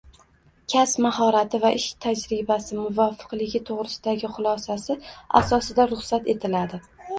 kasb mahorati va ish tajribasi muvofiqligi to‘g‘risidagi xulosasi asosida ruxsat etiladi.